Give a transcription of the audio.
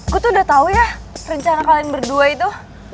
aku tuh udah tau ya rencana kalian berdua itu